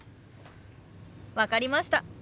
分かりました。